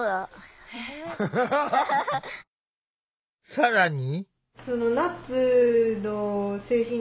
更に。